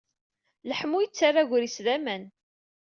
Leḥmu yettarra agris d aman.